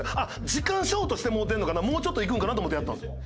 時間ショートしてもうてんのかなもうちょっといくのかなと思ってやってたんですよ。